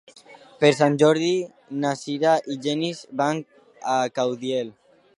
Per Sant Jordi na Sira i en Genís van a Caudiel.